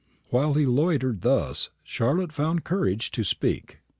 While he loitered thus Charlotte found courage to speak.